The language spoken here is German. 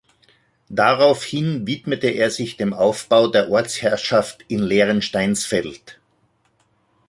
Daraufhin widmete er sich dem Ausbau der Ortsherrschaft in Lehrensteinsfeld.